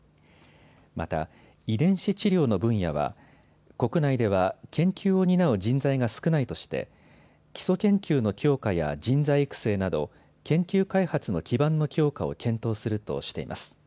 また、遺伝子治療の分野は国内では研究を担う人材が少ないとして基礎研究の強化や人材育成など研究開発の基盤の強化を検討するとしています。